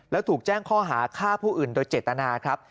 แล้วถูกแจ้งข้อหาฆ่าผู้อื่นโดยเจตนาครับ